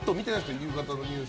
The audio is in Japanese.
夕方のニュース。